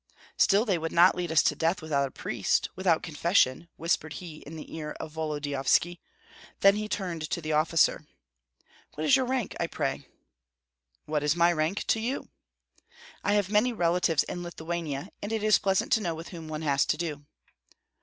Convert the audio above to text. "Still they would not lead us to death without a priest, without confession," whispered he in the ear of Volodyovski. Then he turned to the officer; "What is your rank, I pray?" "What is my rank to you?" "I have many relatives in Lithuania, and it is pleasant to know with whom one has to do."